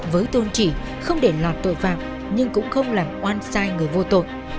với tôn trị không để lọt tội phạm nhưng cũng không làm oan sai người vô tội